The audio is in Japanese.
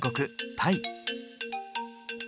タイ。